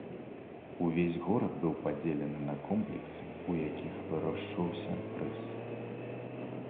Увесь горад быў падзелены на комплексы, у якіх вырошчваўся рыс.